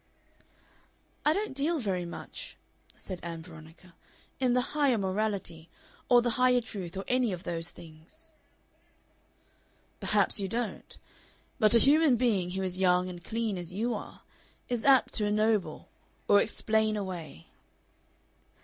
"I don't deal very much," said Ann Veronica, "in the Higher Morality, or the Higher Truth, or any of those things." "Perhaps you don't. But a human being who is young and clean, as you are, is apt to ennoble or explain away."